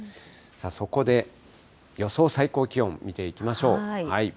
そこで予想最高気温、見ていきましょう。